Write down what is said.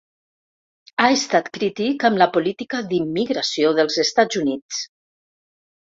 Ha estat crític amb la política d'immigració dels Estats Units.